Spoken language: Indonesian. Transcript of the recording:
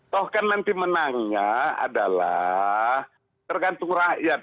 toh kan nanti menangnya adalah tergantung rakyat